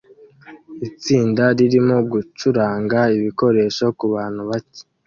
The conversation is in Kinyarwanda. Itsinda ririmo gucuranga ibikoresho kubantu bake